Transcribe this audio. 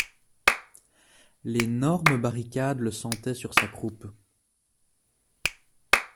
L'énorme barricade le sentait sur sa croupe.